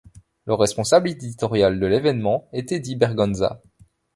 Le responsable éditorial de l'évènement est Eddie Berganza.